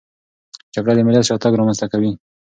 جګړه د ملت شاتګ رامنځته کوي.